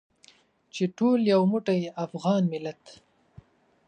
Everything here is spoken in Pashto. چې ټول یو موټی افغان ملت.